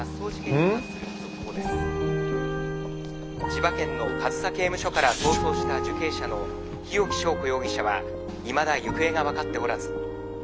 「千葉県の上総刑務所から逃走した受刑者の日置昭子容疑者はいまだ行方が分かっておらず」。